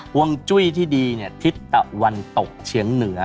วงจุ้ยที่ดีทิศตะวันตกเฉียงเหนือ